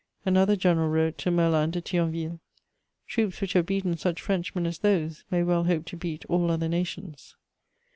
Another general wrote to Merlin de Thionville: "Troops which have beaten such Frenchmen as those may well hope to beat all other nations."